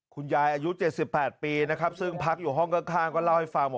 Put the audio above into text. อายุ๗๘ปีนะครับซึ่งพักอยู่ห้องข้างก็เล่าให้ฟัง